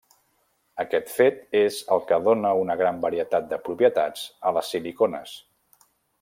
Aquest fet és el que dóna una gran varietat de propietats a les silicones.